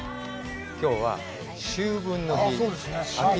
きょうは秋分の日。